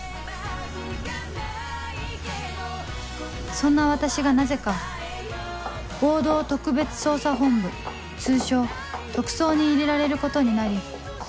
そんな私がなぜか合同特別捜査本部通称「特捜」に入れられることになり